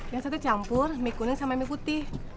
yang satu campur mie kuning sama mie putih